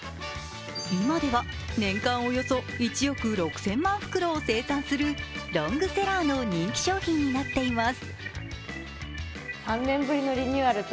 今では年間およそ１億６０００万袋を生産するロングセラーの人気商品になっています。